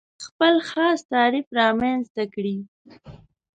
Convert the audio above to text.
خپل خاص تعریف رامنځته کړي.